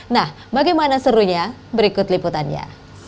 nah bagaimana serunya berikut liputannya